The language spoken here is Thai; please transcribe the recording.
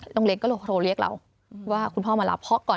โรงเรียนก็โทรเรียกเราว่าคุณพ่อมารับ